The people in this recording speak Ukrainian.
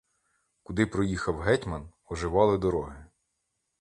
Куди проїхав гетьман, оживали дороги.